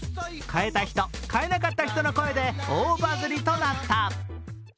買えた人、買えなかった人の声で大バズりとなった。